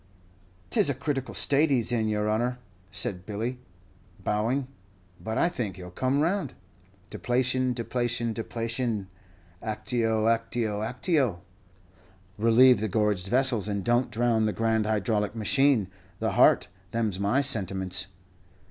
"'Tis a critical state he's in, your honor," said Billy, bowing; "but I think he 'll come round deplation, deplation, deplation actio, actio, actio; relieve the gorged vessels, and don't drown the grand hydraulic machine, the heart them's my sentiments."